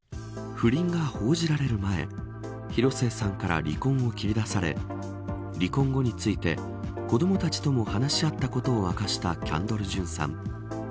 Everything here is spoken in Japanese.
不倫が報じられる前広末さんから離婚を切り出され離婚後について、子どもたちとも話し合ったことを明かしたキャンドル・ジュンさん。